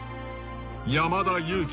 山田裕貴